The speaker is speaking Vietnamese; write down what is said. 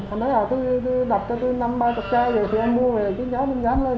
họ nói là đặt cho tôi năm ba mươi chai rồi thì em mua về chứ dán mình dán lên